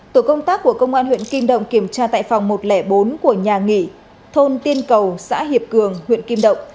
tổ công tác của công an huyện kim động kiểm tra tại phòng một trăm linh bốn của nhà nghỉ thôn tiên cầu xã hiệp cường huyện kim động